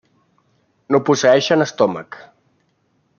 No posseeixen estómac.